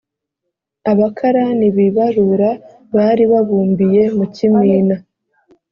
abakarani b’ibarura bari babumbiye mu kimina